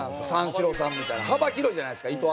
三四郎さんみたいな幅広いじゃないですか。